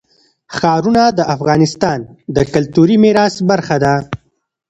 ښارونه د افغانستان د کلتوري میراث برخه ده.